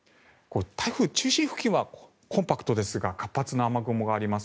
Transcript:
台風中心付近はコンパクトですが活発な雨雲があります。